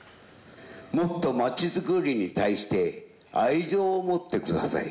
もっと町づくりに対して愛情を持ってください。